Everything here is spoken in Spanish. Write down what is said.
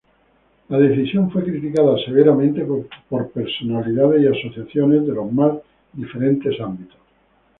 La decisión fue criticada severamente por personalidades y asociaciones de los más diferentes ámbitos.